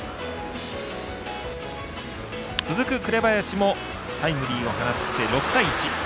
続く紅林もタイムリーを放って６対１。